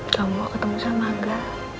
kamu mau ketemu sama angga